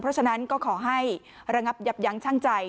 เพราะฉะนั้นก็ขอให้ระงับยับยั้งช่างใจ